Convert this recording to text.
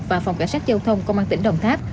và phòng cảnh sát giao thông công an tỉnh đồng tháp